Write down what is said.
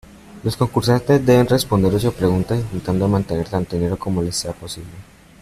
Los concursantes deben responder ocho preguntas intentando mantener tanto dinero como les sea posible.